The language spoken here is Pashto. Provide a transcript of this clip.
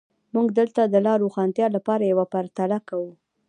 موږ دلته د لا روښانتیا لپاره یوه پرتله کوو.